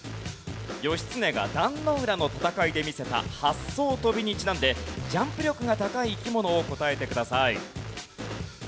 義経が壇ノ浦の戦いで見せた八艘飛びにちなんでジャンプ力が高い生き物を答えてください。